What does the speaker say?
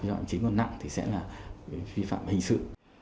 chính còn nặng thì sẽ là vi phạm hình sự